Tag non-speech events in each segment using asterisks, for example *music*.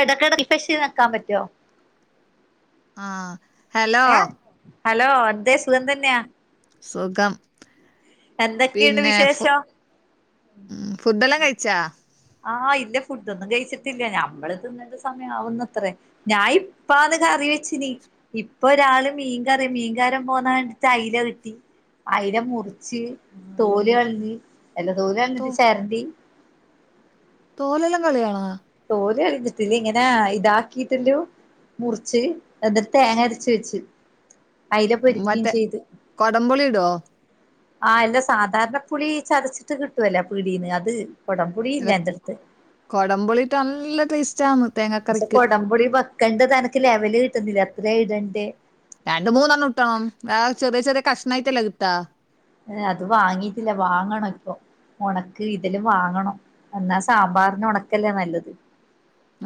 ഇടകടക് നിർത്താൻ പറ്റോ ആഹ് ഹലോ ഹലോ എന്തേ സുഖം തന്നെയാ സുഖം. എന്തൊക്കെയുണ്ട് പിന്നെ ഫു വിശേഷം ഫുഡല്ലാം കഴിച്ചാ ആഹ് ഇല്ല ഫുഡൊന്നും കഴിച്ചിട്ടില്ല ഞമ്മള് തിന്നണ്ട സമയമാവുന്നത്രേ ഞാൻ ഇപ്പ അത് കാ റി വെച്ചനി ഇപ്പൊ ഒരാള് മീൻകറി മീൻകാരം പോണ കണ്ടിട്ട് അയ്ല കിട്ടി അയില മുറിച്ച് തോല് കളഞ്ഞ് എല്ല തോല് തോ കളഞ്ഞിട്ട് ചേരണ്ടി തോലെല്ലാം കളയണാ തോല് കളിഞ്ഞിട്ടില്ല ഇങ്ങനെ ഇതാക്കിട്ടില്ലോ മുറിച്ച് എന്നട്ട് തേങ്ങ അരച്ച് വെച്ച് അയില പൊരിക്കേം മറ്റേ ചെയ്ത് കൊടംപുളി ഇടോ ആ എല്ല സാധാരണപ്പുളി ചതച്ചിട്ട് കിട്ടോല്ലേ പീടീന്ന് അത് കൊടംപുളി ഇല്ല എന്റെടുത്ത് കൊടംപൊളിട്ട നല്ല ടേസ്റ്റാന്ന് പക്ഷെ തേങ്ങാക്കറിക്ക് കൊടംപുളി വെക്കണ്ടതൻക്ക് ലെവല് കിട്ടുന്നില്ല എത്രെ ഇടണ്ടേ രണ്ട് മൂന്നെണ്ണം ഇടണം വേ ചെറിയ ചെറിയ കഷ്ണംമായിട്ടല്ല കിട്ടാ ഏ അത് വാങ്ങീട്ടില്ല വാങ്ങണ ഇപ്പൊ ഉണക്കലി ഇതില്ലാം വാങ്ങണം എന്നാ സാമ്പാറിന് ഉണക്കല്ലേ നല്ലത്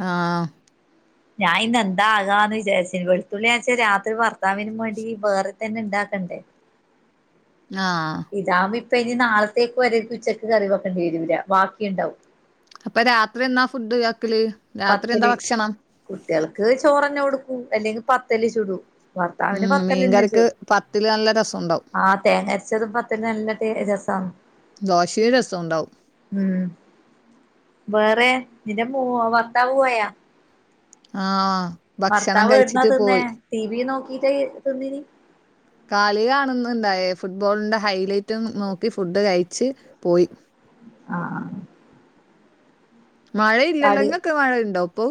ആഹ് ഞാൻ ഇന്നെ ന്താകാന്ന് വിചാരിച്ചിന് വെളുത്തുള്ളിാച്ചാ രാത്രി ഭർത്താവിനും വേണ്ടി വേറെ തന്നെ ഇണ്ടാകി തണ്ടെ ആഹ് ഇപ്പ ഇനി നാളത്തേക്ക് വരെ ഉച്ചക്ക് കറി വെക്കേണ്ടി വരൂല്ല ബാക്കിണ്ടാവും അപ്പൊ രാത്രി എന്നാ ഫുഡ് ആക്കല് രാത്രി എന്താ പത്തല്. ഭക്ഷണം കുട്ടിൾക്ക് ചോറന്നെ കൊടുക്കൂ അല്ലെങ്കി പത്തല് ചുടും ഭർത്താവിന് ഉം പത്തല്ലന്നെ മീൻകറിക്ക് ചുട പത്തില് നല്ല രസണ്ടാവും ആ തേങ്ങ അരച്ചതും പത്തലും നല്ല ടെ രസ അം ദോശേം രസണ്ടാവും വേറെ നിന്റെ മൂ ഭർത്താവൂപോയാ ആഹ് ഭക്ഷണം ഭർത്താവ് ഏടുന്നാ കഴിച്ചിട്ട് പോയി തിന്നേ ടി വി നോക്കീട്ടേ തിന്നിനി കളി കാണുന്ന്ണ്ടായേ ഫുട്ബോളിന്റെ ഹൈലൈറ്റും നോക്കി ഫുഡ് കഴച്ച് പോയി ആഹ് കളി മഴയില്ലല്ലെങ്ങൊക്കെ മഴുണ്ടോ ഇപ്പോ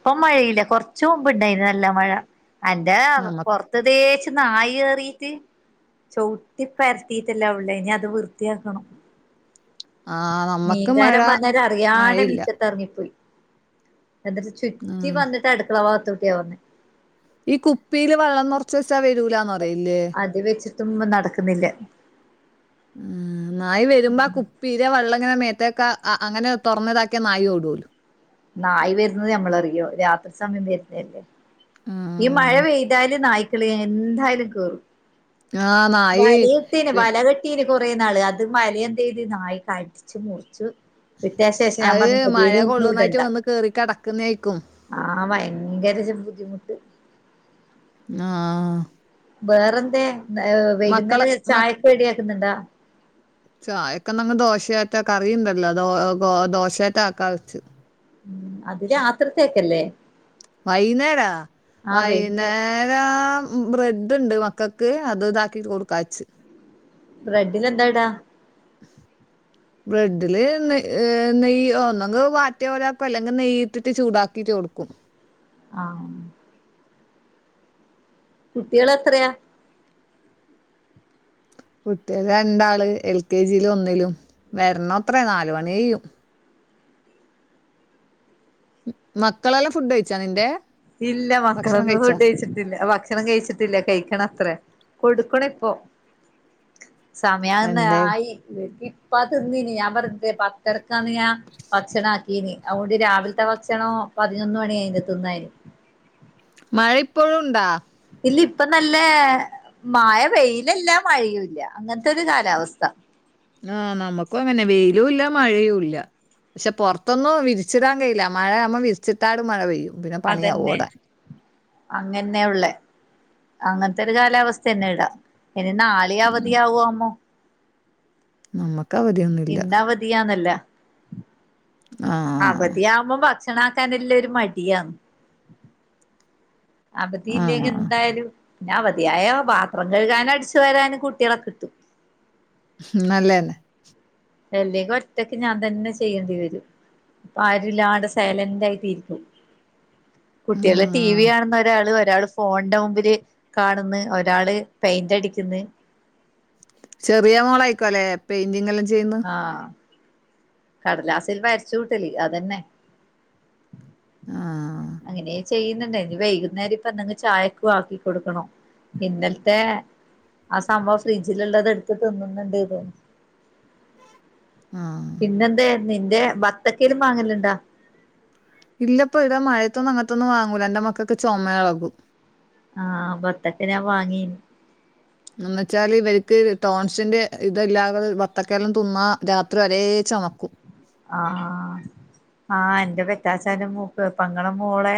ഇപ്പം മഴയില്ല കൊറച്ച് മുമ്പ്ണ്ടായിന് നല്ല മഴ എന്റെ നമ പുറത്തു ദേ നായ കയറിട്ട് ചവിട്ടി പരത്തിട്ടല്ല ഉള്ളേ ഇനി അത് വൃത്തിയാക്കണം ആഹ് നമ്മക്ക് മഴ മീൻകാരൻ വന്നര അറിയാതെ മഴയില്ല. മിറ്റത്തെറങ്ങിപ്പോയി എന്നിട്ട് ചുറ്റി ആഹ് വന്നിട്ട് അടുക്കള ഭഗത്ത് കൂട്ടിയാ വന്നെ ഈ കുപ്പിയില് വെള്ളം നിറച്ച് വെച്ചാ വരൂലാന്ന് പറ അത് വെച്ചിട്ടും നടക്കുന്നില്ല ഉം നായി വരുമ്പോ കുപ്പീരെ വെള്ളം അങ്ങനെ മേത്തേക്ക അങ്ങനെ തുറന്ന ഇതാക്കിയ നായി ഓടോലു നായി വരുന്നത് നമ്മളറിയോ രാത്രി സമയം വരുന്നല്ലേ ഈ മഴ ആഹ് പെയ്താല് നായ്ക്കളി എന്തായാലും കേറും ആഹ് നായി വല എത്തീന പി വല കെട്ടീന കുറെ നാള് അത് മല എന്ത് ചെയ്ത് നായ കടിച്ച് മുറിച്ച് വിട്ട ശേഷം ഞാൻ അത് പറഞ്ഞ മഴ *unintelligible* കൊള്ളുന്നായിട്ട് ഇടണ്ട വന്ന് കേറി കെടക്കുന്നേയ്ക്കും. ആ ഭയങ്കര ബുദ്ധിമുട്ട് ആ വേറെന്ത ഏ വൈകുന്നേരം ചായൊക്കെ റെഡിയാക്കുന്നുണ്ടോ ചായക്കെ നങ് ദോശയാട്ട കറിയുണ്ടല്ലോ ദോശയാട്ട ആക്ക വെച്ച് ഉ അതി രത്രിത്തേക്കല്ലേ? വൈന്നേര വൈകുന്നേരം വൈന്നേര ബ്രെഡ്ണ്ട് മ മക്കക്ക് അത് ഇതാക്കിട്ട് കൊടുക്കാച്ച് ബ്രെഡ്ഡില് എന്താ ഇടാ? ബ്രെഡില് നെ നെയ് ഒന്നങ്ക വാറ്റ പോലപ്പ അല്ലെങ്കിൽ നെയ്ട്ട് ചൂടാക്കിട്ട് കൊടുക്കും ആ കുട്ടികൾ എത്രയാ? കുട്ടികള് രണ്ടാള് എൽ കെ ജിയിലും ഒന്നിലും വരണ അത്രേ നാല് മണി കഴിയും മക്കളെല്ല ഫുഡ് കഴിച്ചാ നിന്റെ? ഇല്ല ഭക്ഷണം മക്കളൊന്നും കഴിച്ചാ ഫുഡ് കഴിച്ചിട്ടില്ല ഭക്ഷണം കഴിച്ചിട്ടില്ല കഴിക്കണം അത്ര കൊടുക്കണ ഇപ്പൊ സമയാന്ന എന്തേ ആയി ഇപ്പാ തിന്നിന്നീ ഞാൻ പറ പത്തരക്കാണ് ഞാൻ ഭക്ഷണം ആക്കീന് അതുകൊണ്ട് രാവിലത്തെ ഭക്ഷണോ പതിനൊന്ന് മണി അയിന് തിന്നാൻ മഴ ഇപ്പോഴുണ്ടോ? ഇല്ല ഇപ്പ നല്ല മയ വെയിലല്ല മഴയൂല്ല അങ്ങനത്തെ ഒരു കാലാവസ്ഥ ആ നമ്മുക്കും അങ്ങനെ വെയിലും ഇല്ല മഴയും ഇല്ല പക്ഷെ പൊറത്തൊന്നും വിരിച്ചിടാൻ കഴയില്ല മഴ നമ്മ വിരിച്ചിട്ടാട മഴ പെയ്യും പിന്നെ പണിയാവും അതെന്നെ ഇവിടെ അങ്ങന്നെ ഉള്ളേ അങ്ങനത്തെ ഒരു കാലാവസ്ഥ തന്നെ ഇടാം ഇനി നാളെയ അവധിയ ആവു ആമ്മോ നമ്മക്ക ഇന്ന് അവധിയാന്നല്ല ആ അവധിയാവുമ്മ വാ ഭക്ഷണ ആക്കാനെല്ലരു മടിയാണ് അവധി ആ ഇല്ലെങ്കിൽ എന്തായാലും പിന്നെ അവധിയായ പാത്രം കഴുകാനും അടിച്ചു വരാനും കുട്ടികളെ കിട്ടും നല്ലതന്നെ എല്ലേ ഒറ്റക്ക് ഞാൻ തന്നെ ചെയ്യേണ്ടി വരും. പ്പൊ ആരില്ലാടെ സൈലന്റ് ആയിട്ടിരിക്കും കുട്ടികള് ടി ഉം. വി കാണുന്ന ഒരാള് ഒരാള് ഫോണിന്റെ മുമ്പില് കാണുന്ന് ഒരാള് പെയിന്റ് അടിക്കുന്ന് ചെറിയ മോളായിക്കോല്ലെ പെയിന്റിങ്ല്ലാം ആ കടലാസിൽ വരച്ചൂട്ടലില്ലെ അതെന്നെ. ആ അങ്ങനെഎ ചെയ്യുന്നുണ്ട ഇനി വൈകുന്നേരം ഇപ്പൊന്തെകി ചായക്കു ആക്കി കൊടുക്കണോ ഇന്നലത്തെ ആ സംഭവം ഫ്രിഡ്ജിൽ ഉുള്ളത് എടുത്ത് തിന്നുന്നുണ്ട്ന്ന്. ആ പിന്നെന്താ നിന്റെ ബത്തക്കല്ലും മാങ്ങല്ലണ്ടാ? ഇല്ലപ്പൊവിടെ മഴയത്തൊന്നും അങ്ങനത്തൊന്നും വാങ്ങൂല എന്റെ മക്കൊക് ചോമെളകും. ആഹ ബത്തക്കഞാ വാങ്ങീന്. എന്നച്ചാൽ ഇവർക്ക് ടോൺസിന്റെ ഇതല്ലാതെ വത്തകെല്ലാം തിന്ന രാത്രി ഒരേ ചമക്കും. ആ ആഹ് എന്റെ പെറ്റാച്ചാല മൂക്ക് പങ്ങള മോളെ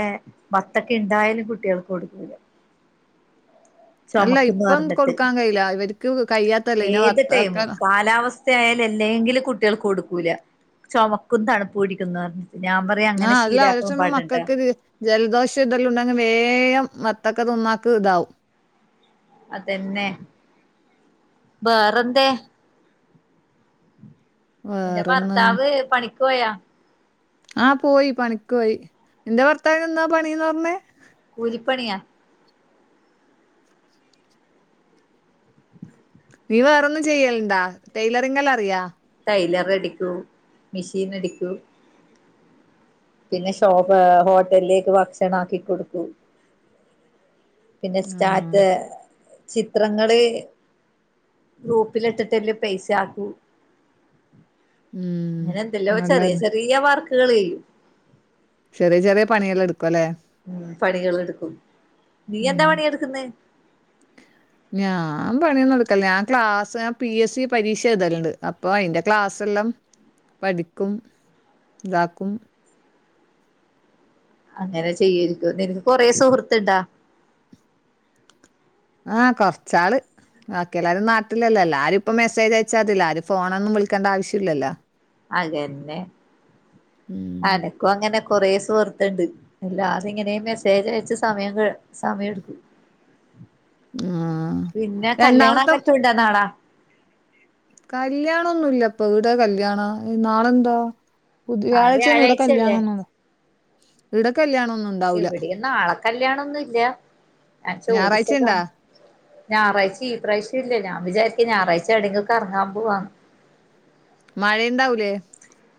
വത്തൊക്കെണ്ടായാലും കുട്ടിയെൾക്ക് കൊടുകുല്ല. *inaudible* അല്ല ചുമക്കുംന്ന് ഇപ്പം പറഞ്ഞിട്ട് കൊടുക്കാൻ കഴിയില്ല ഇവർക്ക് കഴിയാത്തല്ല ഇനി ഏത് വത്തക്ക ടൈമും കാലാവ സ്ഥയേൽ എല്ലെങ്കിലും കുട്ടികൾക്ക് കൊടുക്കൂല ചൊമക്കും തണുപ്പ്ടിക്കുന്ന പറഞ് ആ അല്ല അഹ്ചെല മക്കൾക്ക് ജൽദോഷം ഇതെല്ലാംണ്ടങ്കിൽ വേഗം മത്തക്കെ തിന്നാക്ക് ഇതാവും. അതെന്നെ വേറെന്തേ? എന്റെ വേറെന്ന് ഭർത്താവ് പണിക്ക് പോയാ? ആ പോയി പണിക്ക് പോയി നിന്റെ ഭർത്താവിനന് ഒന്നാ പണിന്നർഞ്ഞേ? കൂലിപ്പണിയാ നീ വേറൊന്നും ചെയ്യൽണ്ടാ ടെലറിങ്ങല്ല അറിയാ? ടൈലർ അടിക്കൂ മെഷീൻ അടിക്കൂ. പിന്നെ ഷോപ്പ് ഹോട്ടലിലേക്ക് ഭക്ഷണ ആക്കികൊടുക്കൂ. പിന്നെ ആഹ് സ്റ്റാറ്റ് ചിത്രങ്ങള് ഗ്രൂപ്പില്ട്ടിട്ട്ല്ലോ പൈസയാക്കൂ. ഉം അങ്ങനെ എന്തല്ലോ ചെറിയ നല്ലതന്നെ ചെറിയ വർക്കുകൾ ചെയ്യും ചെറിയ ചെറിയ പണിയെല്ലടുക്കു പണികൾടുക്കും നീ ഉം എന്താ പണിട്ക്കുന്നേ? ഞാൻ പണിന്ന്ടുക്കല്ല ഞാൻ ക്ലാസ് പി എസ് സി പരീക്ഷ എഴതൽണ്ട് അപ്പൊ അതിന്റെ ക്ലാസ് എല്ലാം പഠിക്കും താക്കും അങ്ങനെ ചെയ്യര്ത് നിനക്ക് കൊറേ സുഹൃത്ത്ണ്ടാ? ആഹ് കൊറച്ചാള് ബാക്കി എല്ലാരും നാട്ടിലല്ലേ എല്ലാരും ഇപ്പ മെസ്സേജ് അയച്ചാറ്റ്ല്ലാരും ഫോണൊന്നും വി വിൾിക്കേണ്ട ആവശ്യല്ലല്ലോ? അതന്നെ ഉം അനക്കും അങ്ങനെ കൊറേ സുഹൃത്തുണ്ട് എല്ലാരും ഇങ്ങനെ മെസ്സേജയച്ച് സമയം സമയം എടുക്കും. അഹ് പിന്നെ ആ കല്യാണം മറ്റുണ്ടോ രണ്ടാമത്തെ നാളെ കല്യാണൊന്നുല്ല ഇപ്പൊ ഇവിടെ കല്യാണാ നാളെന്താ? നാളെ ബുതിയഴ്ച ഒന്ന് ഇടടെ വ്യാഴാഴ്ചയല്ലേ കല്യാണന്നോ ഇടക്കല്യാണോ ഇവിടെന്ന് നാളെ കല്യാണൊന്നും ല്ല്യാ ഞാൻ ഞായറാഴ്ച ചോദിച്ചതാ ഇണ്ടാ ഞായറാഴ്ച ഈ പ്രവ്ശ്യംല്ലേ ഞാൻ വിചാരിക്ക ഞായറാഴ്ച എവിടെെങ്കിലും കറങ്ങാൻ പോവാന്ന്. മഴയണ്ടാവൂലേ?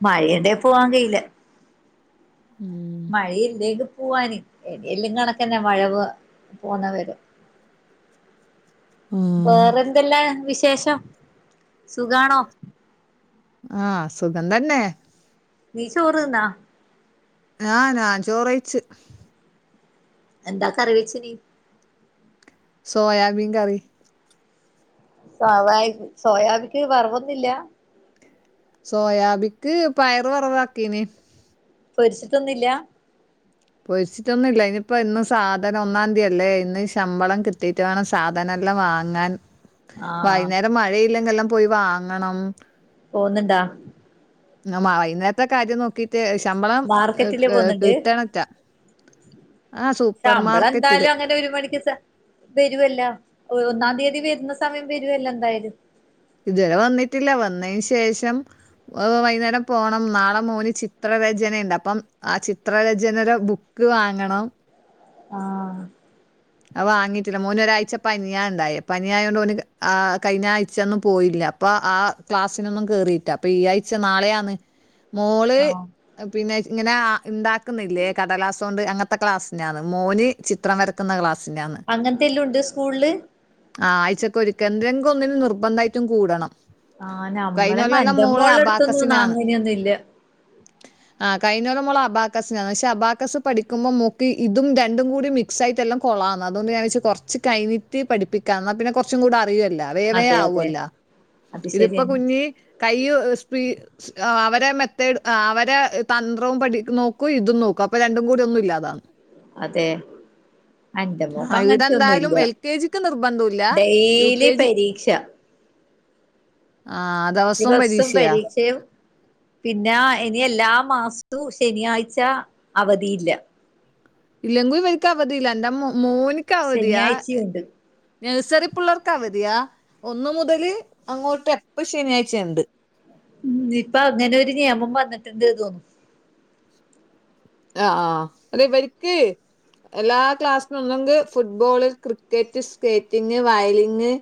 മഴയുണ്ടേ പോവാൻ കയില്ല. ഉം മഴയില്ലെ? പോവാന് എല്ലും കണക്കന്നെ മഴവ് പോന്ന വരേ ആഹ് വേറെന്തെല്ലാ വിശേഷം സുഖാണോ? ആഹ് സുഖം തന്നെ. നീ ചോറ്തിന്നാ? ആ ഞാൻ ചോറൈച്ചു. എന്താ കറിവച്ചിനി? സോയാബീൻ കറി സവായ് സോയാബിക്ക് വർവൊന്നില്ല സോയാബിക്ക് പയറ് വറവാക്കീനിം പൊരിച്ചിട്ടൊന്നുല്ല പൊരിച്ചിട്ടൊന്നുല്ല. ഇനിപ്പോ ഇന്ന് സാധനം ഒന്നാന്തിയല്ലേ ഇന്ന് ശമ്പളം കിട്ടീട്ട് വേണം സാധനം ല്ലാം വാങ്ങാൻ. ആഹ് വൈന്നേരം മഴയില്ലെങ്കെ എല്ലാം പോയി വാങ്ങണം. പോവ്‌ന്ന്ണ്ടാ ആ വൈകുന്നേരത്തെ കാര്യം നോക്കീട്ട് ശമ്പളം മാർക്കറ്റില് പോന്നുണ്ട് കിട്ടണറ്റാ *inaudible* ശമ്പളം എന്തായാലും അങ്ങനെ ഒരു മണിക്ക് വരുവല്ലോ ഒന്നാം തീയതി വരുന്ന സമയം വരുവല്ലോ എന്തായാലും ഇതുവരെ വന്നിട്ടില്ല. വന്നതിന് ശേഷം വൈകുന്നേരം പോണം നാളെ മോന് ചിത്ര രചനയുണ്ട് അപ്പം ആ ചിത്രരചനനടെ ബുക്ക് വാങ്ങണം ആഹ അത് വാങ്ങിട്ടില്ല മോന് ഒരാഴ്ച പനിയണ്ടായ പനിയായൊണ്ട് ഓന് ആ കഴിഞ്ഞ ആഴ്ചൊന്നും പോയില്ലെ അപ്പൊ ആ ക്ലാസിനൊന്നും കേറീറ്റ അപ്പൊ ഈ ആഴ്ച്ച നാളെയാന്ന് മോള് ആഹ് പിന്നെ ഇങ്ങനെ ഉണ്ടാക്കുന്നില്ലേ കടലാസ് കൊണ്ട് അങ്ങനത്തെ ക്ലാസ്സിനാണ്, മോന് ചിത്രം വരക്കുന്ന ക്ലാസ് അങ്ങനത്തെ എല്ലോണ്ട് സ്കൂളില് ആ ആയ്ച്ചക്കൊരിക്കെ എന്തെരെങ്കി ഒന്നിന് നിർബന്ധയിട്ടും കൂടണം ആഹ കഴിഞ്ഞ നമ്മളെ കൊല്ലം മോള് ന്റെമ്മോള്ള ടുത്തൊന്നും ന്നാ അങ്ങനെയൊന്നും ഇല്ല *inaudible* ആഹ് കഴിഞ്ഞോരം മോള് അബകസിനാന്ന്. പക്ഷെ അബാകസ് പഠിക്കുമ്പോ മോൾക്ക് ഇതും രണ്ടും കൂടി മിക്സ് ആയിട്ട എല്ലാം കൊള്ളാന്ന് അതുകൊണ്ട് ഞാന് വെച്ച് കൊറച്ച് കഴിഞ്ഞിട്ട് പഠപ്പിക്കാ. ന്നാ പിന്നെ കൊറച്ചും കൂടെ അറിയല്ലോ അ വേ വേ അതെ അതെ ആവല്ലോ അത് ഇതിപ്പോ ശരിയന്നെ കുഞ്ഞി കൈയ്യ് സ്പീ അവരെ മെത്തേഡ് അവരെ തന്ത്രവും പഠി നോക്കും ഇതും നോക്കും അപ്പ രണ്ടും കൂടി ഒന്നും ഇല്ലാന്നോ അതെ. അന്റെ ആ, മോക്ക് ഇവിടെ അങ്ങനത്തെ ഒന്നും എന്തായാലും ഇല്ല എൽ കെ ജിക്ക് നിർബന്ധമില്ല യു ഡൈലി കെ ജി പരീക്ഷ *inaudible* ആ ദിവസവും ദിവസും പരീക്ഷയാ പരീക്ഷയും, പിന്നെ ഇനി എല്ലാ മാസവും അതു ശനിയാഴ്ച അവധിയില്ല. ഇല്ലെങ്കു ഇവര്ക്ക് അവധിയില്ല. എന്റെ മോന്ക്ക് അവധിയാ ശനിയാഴ്ചയുണ്ട് നഴ്സറി പിള്ളേർക്ക് അവധിയാ. ഒന്നു മുതല് അങ്ങോട്ട് എപ്പ ശനിയാഴ്ചണ്ട്. മ് ഇപ്പൊ അങ്ങനെ ഒരു നിയമം വന്നിട്ടുണ്ട് തോന്നു ആഹ് അല്ലിവര്ക്ക് എല്ലാ ക്ലാസ്സിനൊന്നെങ്കി ഫുട്ബോള്, ക്രിക്കറ്റ്, സ്കേറ്റിങ്, വയലിങ്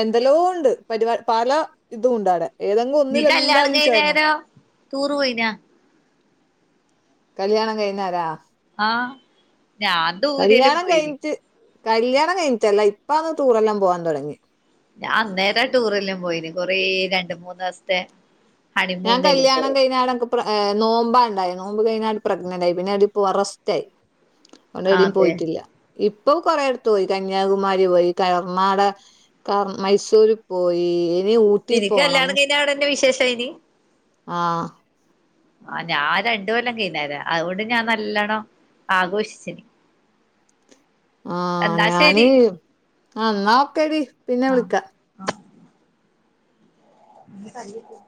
എന്തെല്ലോ ഉണ്ട് പരിപ പല ഇതും ഉണ്ട് അവിടെ. ഏതെങ്കിലും നീ ഒന്നില് കല്യാണം എന്തായാലും ചേരണം കഴിഞ്ഞേരം ടൂറ് പോയിനാ കല്യാണം കഴിഞാരാ ആ. ഞാന് ദൂരെലും കല്യാണം പോയിനിം കഴിഞ്ഞിട്ട് കല്യാണം കഴിഞ്ഞിട്ടല്ല ഇപ്പ ന്ന് ടൂറെല്ലാം പോവാൻ തൊടങ്ങി. ഞാൻ അന്നേര ടൂറല്ലാം പോയിന്. കൊറേ രണ്ട്‌, മൂന്നി ദിവസത്തെ ഞാൻ ഹണിമൂണിനെല്ലാം കല്യാണം പോയി കഴഞ്ഞാട നോമ്പാണ്ടായി. നോമ്പ് കഴിഞ്ഞാര് പ്രഗ്നന്റായി, പിന്നെ അടിപ്പോ റെസ്റ്റായി. അണ്ട ആ ഇടയും അതെ പോയിട്ടില്ല ഇപ്പോ കൊറെയിടുത്ത് പോയി കന്യാകുമാരി പോയി കർണാട മൈസൂരിൽ പോയി ഇനി ഊട്ടി നിനക്ക് കല്യാണം കഴിഞ്ഞാടെന്നെ വിശേഷയിനി ആഹ ആ ഞാൻ രണ്ട് കൊല്ലം കയ്ഞ്ഞേര, അതുകൊണ്ട് ഞാൻ നല്ലണം ആഘോഷിച്ചിന് ആഹ്, എന്നാ ഞാന് ശരി ആ ന്നാ ഒക്കെടി, പിന്നെ ആ വിളിക്കാ എ കാല *unintelligible*